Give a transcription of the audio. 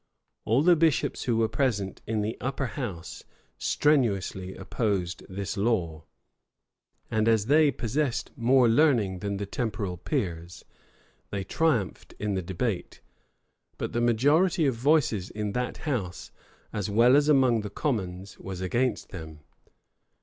All the bishops who were present in the upper house strenuously opposed this law; and as they possessed more learning than the temporal peers, they triumphed in the debate; but the majority of voices in that house, as well as among the commons, was against them.